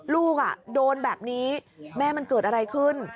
ลูกโดนแบบนี้แม่มันเกิดอะไรขึ้น